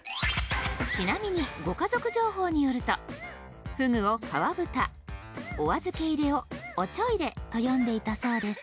ちなみにご家族情報によると河豚をかわぶたお預入れをオチョイレと読んでいたそうです